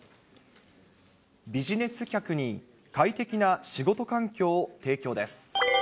ビジネス客に快適な仕事環境を提供です。